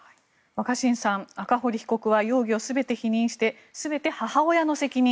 若新さん、赤堀被告は容疑を全て否認して全て母親の責任